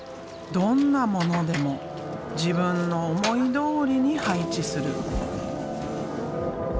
どんなものでも自分の思いどおりに配置する。